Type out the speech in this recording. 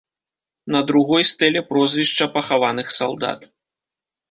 На другой стэле прозвішча пахаваных салдат.